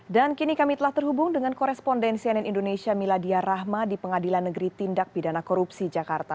dan kini kami telah terhubung dengan korespondensi ann indonesia miladia rahma di pengadilan negeri tindak bidana korupsi jakarta